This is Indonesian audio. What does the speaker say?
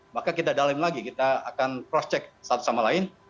maka kita dalam lagi kita akan cross check satu sama lain